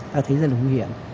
ta thấy rất là nguy hiểm